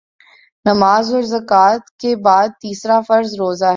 نماز اور زکوٰۃ کے بعدتیسرا فرض روزہ ہے